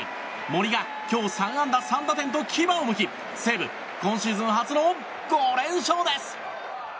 森が今日３安打３打点と牙をむき西武、今シーズン初の５連勝です。